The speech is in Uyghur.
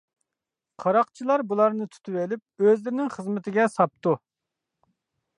قاراقچىلار بۇلارنى تۇتۇۋېلىپ ئۆزلىرىنىڭ خىزمىتىگە ساپتۇ.